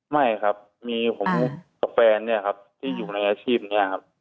ไม่ครับมีผมกับแฟนเนี่ยครับที่อยู่ในอาชีพนี้ครับ